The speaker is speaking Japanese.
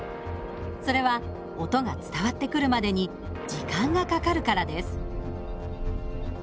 それは音が伝わってくるまでに時間がかかるからです。